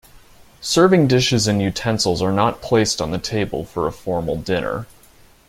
Serving dishes and utensils are not placed on the table for a formal dinner.